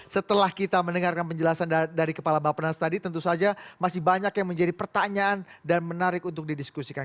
setelah kita mendengarkan penjelasan dari kepala bapak penas tadi tentu saja masih banyak yang menjadi pertanyaan dan menarik untuk didiskusikan